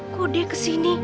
kok dia kesini